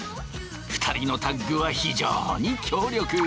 ２人のタッグは非常に強力。